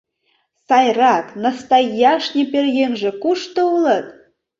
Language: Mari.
— Сайрак, настояшне пӧръеҥже кушто улыт?